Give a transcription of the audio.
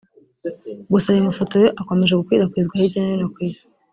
gusa aya mafoto yo akomeje gukwirakwizwa hirya no hino ku Isi